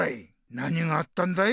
何があったんだい？